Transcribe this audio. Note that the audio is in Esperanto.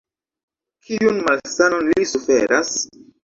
Kiun malsanon li suferas?